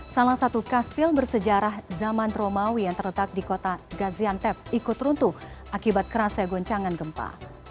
salah satu kastil bersejarah zaman romawi yang terletak di kota gaziantep ikut runtuh akibat kerasa goncangan gempa